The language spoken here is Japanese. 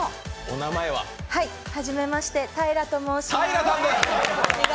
はじめまして、ＴＹＲＡと申します。